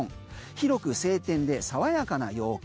広く晴天で爽やかな陽気。